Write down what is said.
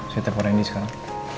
saya terperendi sekarang